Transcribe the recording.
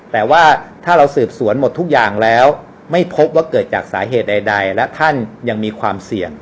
แต่ว่าถ้าเราสืบสวนหมดทุกอย่างแล้วไม่พบว่าเกิดจากสาเหตุใดและท่านยังมีความเสี่ยง